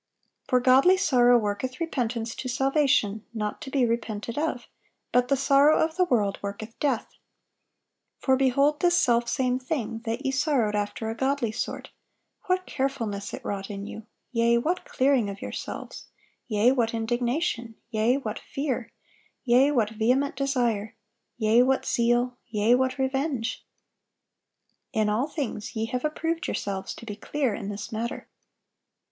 "For godly sorrow worketh repentance to salvation not to be repented of: but the sorrow of the world worketh death. For behold this selfsame thing, that ye sorrowed after a godly sort, what carefulness it wrought in you, yea, what clearing of yourselves, yea, what indignation, yea, what fear, yea, what vehement desire, yea, what zeal, yea, what revenge! In all things ye have approved yourselves to be clear in this matter."